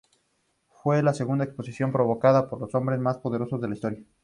Fue la segunda explosión provocada por el hombre más poderosa en la historia.